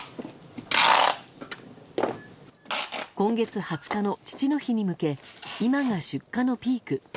今月２０日の父の日に向け今が出荷のピーク。